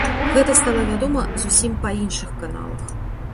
Гэта стала вядома зусім па іншых каналах.